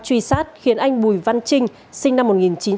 truy sát khiến anh bùi văn trinh sinh năm một nghìn chín trăm tám mươi